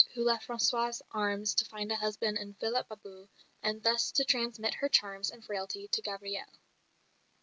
who left François' arms to find a husband in Philip Babou and thus to transmit her charms and frailty to Gabrielle.